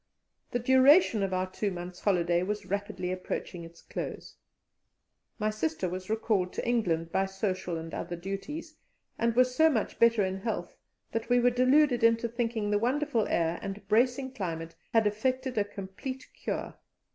The duration of our two months' holiday was rapidly approaching its close. My sister was recalled to England by social and other duties, and was so much better in health that we were deluded into thinking the wonderful air and bracing climate had effected a complete cure.